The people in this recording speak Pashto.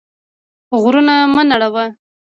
غرونه مه نړوه.